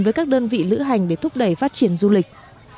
với các đơn vị lữ hành để thúc đẩy phát triển du lịch